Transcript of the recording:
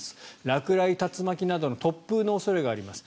落雷・竜巻などの突風の恐れがあります